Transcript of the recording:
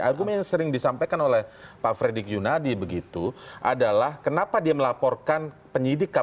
argumen yang sering disampaikan oleh pak fredy kiyunadi begitu adalah kenapa dia melaporkan penyidik kapal